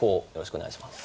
お願いいたします。